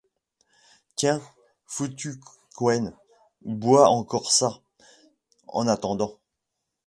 Tiens! foutue couenne, bois encore ça, en attendant !